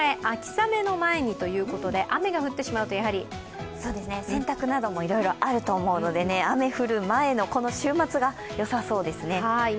雨の前にということで、選択などもいろいろあると思うので雨降る前の、この週末がよさそうですね。